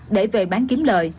để về bán kiếm lợi